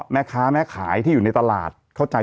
แม่ค้าแม่ขายที่อยู่ในตลาดเข้าใจ